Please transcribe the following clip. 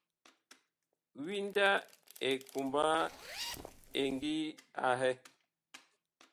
Winda ɛ kumba ɛ ngi ahɛ .